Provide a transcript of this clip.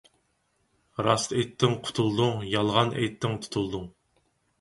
راست ئېيتتىڭ قۇتۇلدۇڭ، يالغان ئېيتتىڭ تۇتۇلدۇڭ.